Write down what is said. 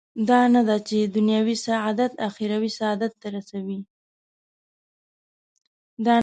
دا نه ده چې دنیوي سعادت اخروي سعادت ته رسوي.